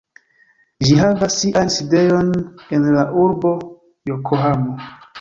Ĝi havas sian sidejon en la urbo Jokohamo.